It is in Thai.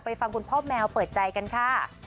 ฟังคุณพ่อแมวเปิดใจกันค่ะ